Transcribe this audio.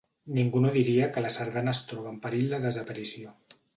Ningú no diria que la sardana es troba en perill de desaparició.